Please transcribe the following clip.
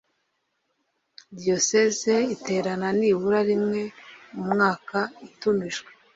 diyosezi iterena nibura rimwe mu mwaka itumijwe